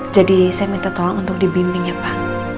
jadi saya minta tolong untuk dibimbing ya pak